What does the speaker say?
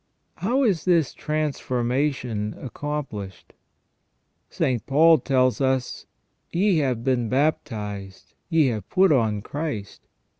How is this transformation accomplished ? St. Paul tells us :" Ye have been baptized : ye have put on Christ